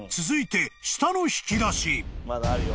続いて下の引き出し］